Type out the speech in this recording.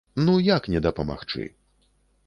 Ну, як не дапамагчы?